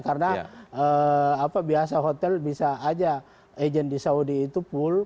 karena apa biasa hotel bisa aja agent di saudi itu pull